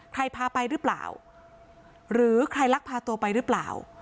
พาไปหรือเปล่าหรือใครลักพาตัวไปหรือเปล่า